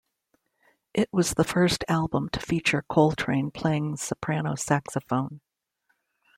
It was the first album to feature Coltrane playing soprano saxophone.